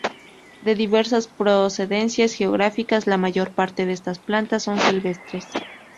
De diversas procedencias geográficas, la mayor parte de estas plantas son silvestres.